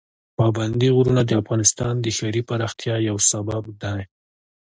پابندي غرونه د افغانستان د ښاري پراختیا یو سبب دی.